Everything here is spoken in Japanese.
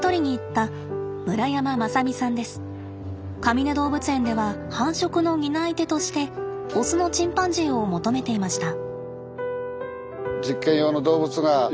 かみね動物園では繁殖の担い手としてオスのチンパンジーを求めていました。